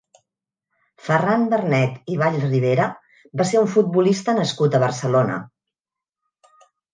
Ferran Barnet i Vallribera va ser un futbolista nascut a Barcelona.